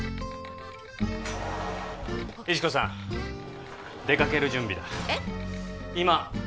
石子さん出かける準備だえっ？